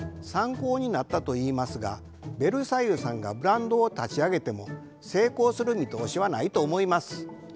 参考になったと言いますがベルサイユさんがブランドを立ち上げても成功する見通しはないと思います。